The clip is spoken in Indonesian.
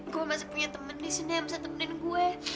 gue masih punya temen di senam bisa temenin gue